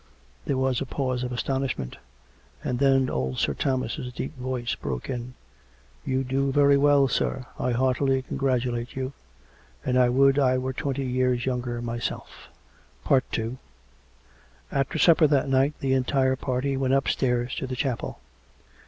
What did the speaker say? There was a pause of astonishment. And then old Sir Thomas' deep voice broke in. " You do very well, sir. I heartily congratulate you. And I would I were twenty years younger myself. ..." 196 COME RACK! COME ROPE! II After supper that night the entire party went upstairs to the chapel.